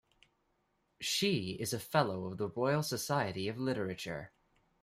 She is a Fellow of the Royal Society of Literature.